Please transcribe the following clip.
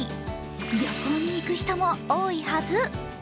旅行に行く人も多いはず。